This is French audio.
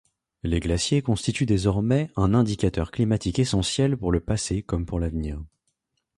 Les glaciers constituent désormais un indicateur climatique essentiel pour le passé comme pour l’avenir.